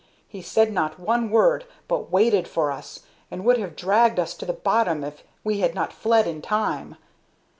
He said not one word, but waited for us, and would have dragged us to the bottom if we had not fled in time.